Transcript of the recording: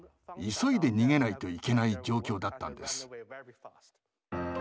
急いで逃げないといけない状況だったんです。